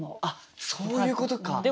あっそういうことか！